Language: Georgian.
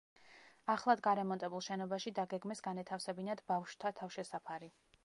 ახლად გარემონტებულ შენობაში დაგეგმეს განეთავსებინათ ბავშვთა თავშესაფარი.